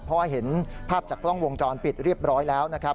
เพราะว่าเห็นภาพจากกล้องวงจรปิดเรียบร้อยแล้วนะครับ